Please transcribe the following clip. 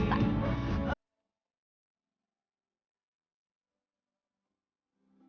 aku dan anak kita